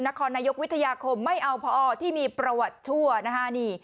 นครนายกวิทยาคมไม่เอาพอที่มีประวัติชั่วนะฮะนี่